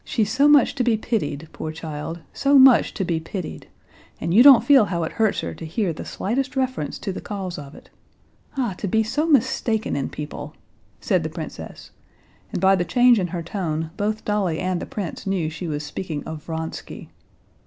"She's so much to be pitied, poor child, so much to be pitied, and you don't feel how it hurts her to hear the slightest reference to the cause of it. Ah! to be so mistaken in people!" said the princess, and by the change in her tone both Dolly and the prince knew she was speaking of Vronsky.